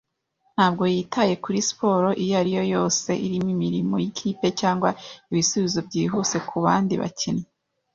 Ntabwo yitaye kuri siporo iyo ari yo yose irimo imirimo yikipe cyangwa ibisubizo byihuse kubandi bakinnyi.